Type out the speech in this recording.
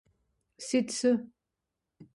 Sìtze